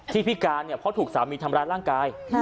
ที่พี่การพอถูกสามีทำร้ายร่างกาย